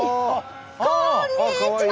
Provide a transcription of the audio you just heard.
こんにちは！